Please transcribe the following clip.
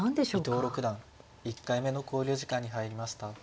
伊藤六段１回目の考慮時間に入りました。